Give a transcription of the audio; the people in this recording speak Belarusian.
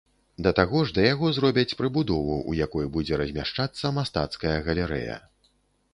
Да таго ж да яго зробяць прыбудову, у якой будзе размяшчацца мастацкая галерэя.